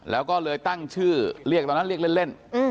แล้วก็เลยตั้งชื่อเรียกตอนนั้นเรียกเล่น